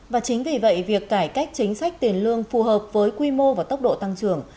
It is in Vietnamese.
và chính vì vậy việc cải cách chính sách tiền lương phù hợp với quy mô và tốc độ tăng trưởng